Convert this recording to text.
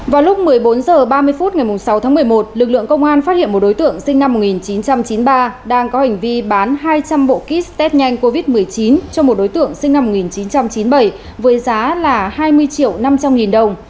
vào lúc một mươi bốn h ba mươi phút ngày sáu tháng một mươi một lực lượng công an phát hiện một đối tượng sinh năm một nghìn chín trăm chín mươi ba đang có hành vi bán hai trăm linh bộ kit test nhanh covid một mươi chín cho một đối tượng sinh năm một nghìn chín trăm chín mươi bảy với giá là hai mươi triệu năm trăm linh nghìn đồng